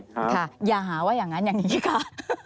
ค่ะอย่าหาว่าอย่างนั้นอย่างนี้ค่ะ